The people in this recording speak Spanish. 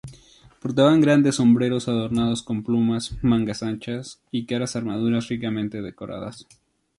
Portaban grandes sombreros adornados con plumas, mangas anchas y caras armaduras ricamente decoradas.